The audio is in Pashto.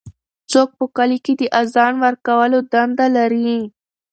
څوک په کلي کې د اذان ورکولو دنده لري؟